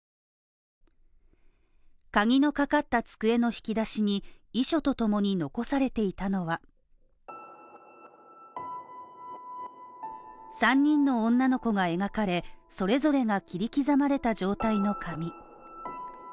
鍵のかかった机の引き出しに遺書とともに残されていたのは３人の女の子が描かれそれぞれが切り刻まれた状態の紙。